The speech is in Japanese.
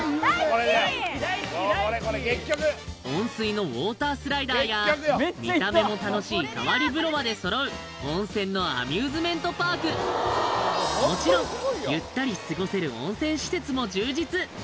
これこれ結局温水のウォータースライダーや見た目も楽しい変わり風呂まで揃う温泉のアミューズメントパークもちろんゆったり過ごせる温泉施設も充実